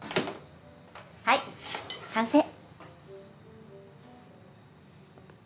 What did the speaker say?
はい完成！